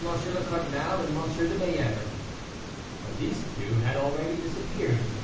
le Cardinal and M. de Mayenne." But these two had already disappeared.